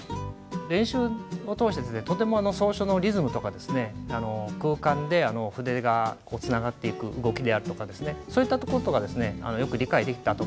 練習を通してとても草書のリズムとか空間で筆がつながっていく動きであるとかそういったところとかよく理解できたと思います。